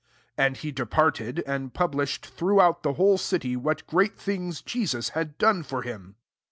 And he departed, and publish ed throughout the whole city, what great things Jesus had done for him.